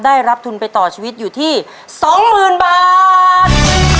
ได้รับทุนไปต่อชีวิตอยู่ที่๒๐๐๐บาท